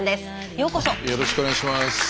よろしくお願いします。